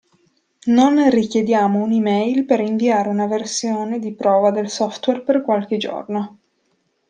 Non richiediamo un'e-mail per inviare una versione di prova del software per qualche giorno.